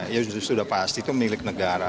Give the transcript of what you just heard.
ya sudah pasti itu milik negara